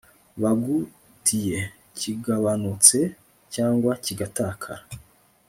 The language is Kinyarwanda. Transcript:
bagu tiye kigabanutse cyangwa kigatakara